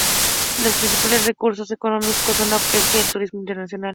Los principales recursos económicos son la pesca y el turismo internacional.